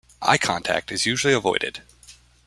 Eye contact is usually avoided.